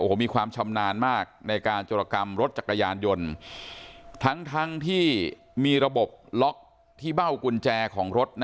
โอ้โหมีความชำนาญมากในการจรกรรมรถจักรยานยนต์ทั้งทั้งที่มีระบบล็อกที่เบ้ากุญแจของรถนะ